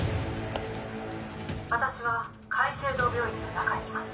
私は界星堂病院の中にいます。